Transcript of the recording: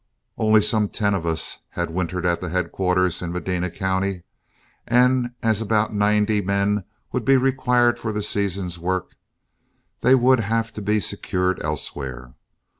Only some ten of us had wintered at headquarters in Medina County, and as about ninety men would be required for the season's work, they would have to be secured elsewhere.